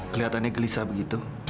keliatannya gelisah begitu